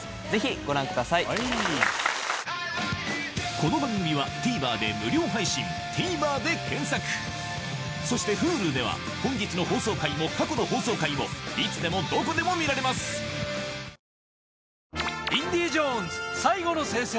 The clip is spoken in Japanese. この番組はＴＶｅｒで無料で配信「ＴＶｅｒ」で検索そしてＨｕｌｕでは本日の放送回も過去の放送回もいつでもどこでも見られますハァ。